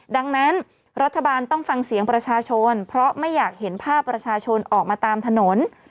ดังนั้นรัฐบาลต้องฟังเสียงประชาชนเพราะไม่อยากเห็นภาพประชาชนออกมาตามถนน